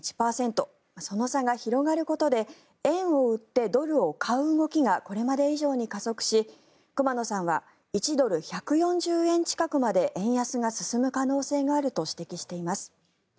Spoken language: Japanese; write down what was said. その差が広がることで円を売ってドルを買う動きがこれまで以上に加速し熊野さんは１ドル＝１４０円近くまで円安が進む可能性があると指摘しています。